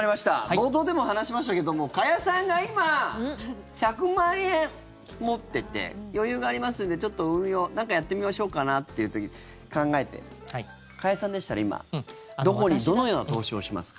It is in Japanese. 冒頭でも話しましたけども加谷さんが今、１００万円持ってて余裕がありますんでちょっと運用をなんかやってみましょうかなっていう時考えて加谷さんでしたら今、どこにどのような投資をしますか？